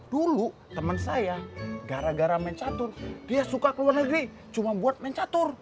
dulu temen saya gara gara main catur dia suka keluar negeri cuma buat main catur